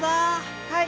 はい。